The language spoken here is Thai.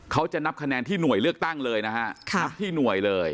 เขาจะนับคะแนนที่หน่วยเลือกตั้งเลยนะฮะนับที่หน่วยเลย